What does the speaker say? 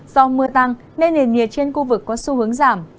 do mưa tăng nên nền nhiệt trên khu vực có xu hướng giảm